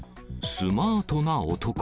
スマートな男。